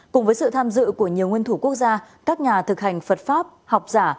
cùng với sự tham dự của nhiều nguyên thủ quốc gia các nhà thực hành phật pháp học giả